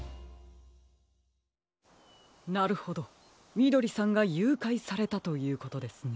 なるほどみどりさんがゆうかいされたということですね。